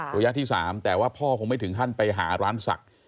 ระยะที่๓แต่ว่าพ่อคงไม่ถึงขั้นไปหาร้านศักดิ์